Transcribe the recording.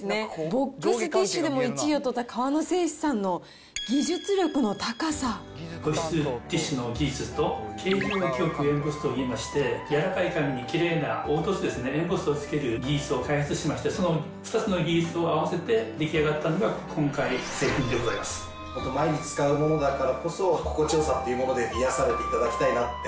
ボックスティッシュでも１位を取った河野製紙さんの技術力の高さ保湿ティッシュの技術と、形状記憶エンボスといいまして、柔らかい紙にきれいな凹凸ですね、エンボスをつける技術を開発しまして、その２つの技術を合わせて出来上がったのが、今回の製品毎日使うものだからこそ、心地よさというもので癒やされていただきたいなって。